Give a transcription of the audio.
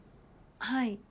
はい。